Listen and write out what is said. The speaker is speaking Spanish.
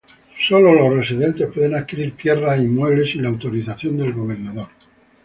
Solo los residentes pueden adquirir tierras e inmuebles sin la autorización del gobernador.